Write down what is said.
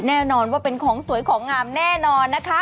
แน่นอนว่าเป็นของสวยของงามแน่นอนนะคะ